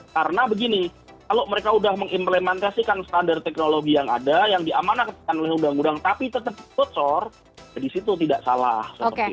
karena begini kalau mereka sudah mengimplementasikan standar teknologi yang ada yang diamanahkan oleh undang undang tapi tetap kebocor di situ tidak salah